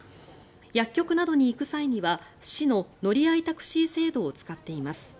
薬局などに行く際には市の乗合タクシー制度を使っています。